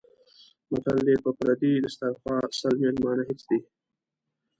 متل دی: په پردي دیسترخوا سل مېلمانه هېڅ دي.